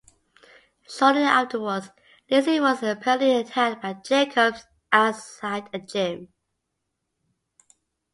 Shortly afterwards, Lacey was apparently attacked by Jacobs outside a gym.